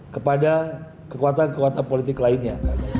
kepada kekuatan kekuatan politik lainnya